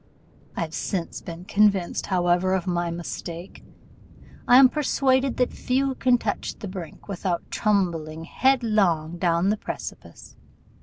I have since been convinced, however, of my mistake. I am persuaded that few can touch the brink without tumbling headlong down the precipice.